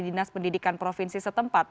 dinas pendidikan provinsi setempat